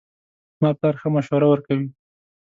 زما پلار ښه مشوره ورکوي